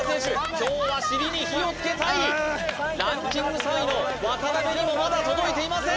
今日は尻に火をつけたいランキング３位の渡辺にもまだ届いていません・